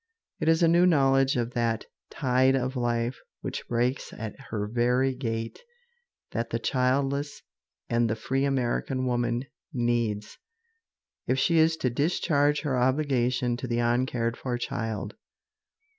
It is a new knowledge of that tide of life which breaks at her very gate that the childless and the free American woman needs, if she is to discharge her obligation to the uncared for child.